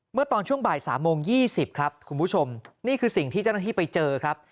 เมื่อตอนช่วงบ่าย๓โมง๒๐ครับคุณผู้ชมนี่คือสิ่งที่เจ้าหน้าที่ไปเจอครับ